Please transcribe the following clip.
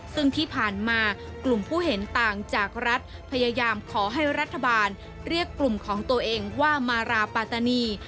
ซึ่งที่ผ่านมากลุ่มผู้เห็นต่างจากรัฐพยายามขอให้รัฐบาลเรียกกลุ่มของตัวเองว่ามาราปาตานี